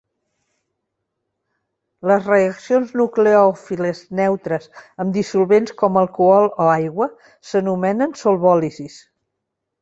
Les reaccions nucleòfiles neutres amb dissolvents com alcohol o aigua, s'anomenen solvòlisis.